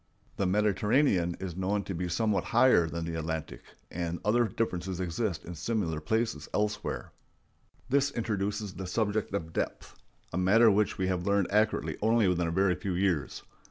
The Mediterranean is known to be somewhat higher than the Atlantic, and other differences exist in similar places elsewhere. This introduces the subject of depth—a matter which we have learned accurately only within a very few years.